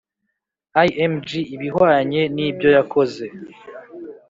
Img ibihwanye n ibyo yakoze